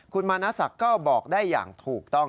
คุณมาณศักดิ์ก็บอกได้อย่างถูกต้อง